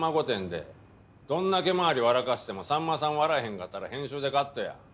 でどんだけ周り笑かしてもさんまさん笑わへんかったら編集でカットや。